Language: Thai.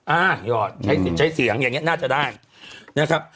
อะหยอดอืมใช้เสียงอย่างเงี้ยน่าจะได้นะครับ